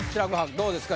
どうですか？